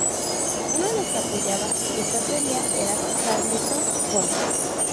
Uno de los que apoyaba esta teoría era Carleton Coon.